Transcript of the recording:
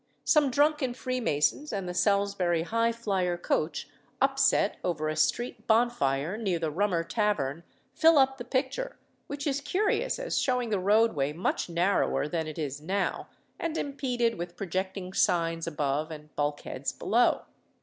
Some drunken Freemasons and the Salisbury "High flyer" coach upset over a street bonfire near the Rummer Tavern, fill up the picture, which is curious as showing the roadway much narrower than it is now, and impeded with projecting signs above and bulkheads below.